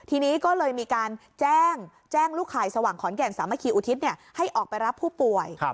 ทีนี้ก็เลยมีการแจ้งแจ้งลูกข่ายสว่างขอนแก่นสามัคคีอุทิศให้ออกไปรับผู้ป่วย